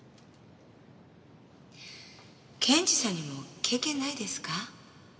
検事さんにも経験ないですか？